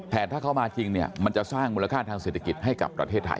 แต่ถ้าเขามาจริงเนี่ยมันจะสร้างมูลค่าทางเศรษฐกิจให้กับประเทศไทย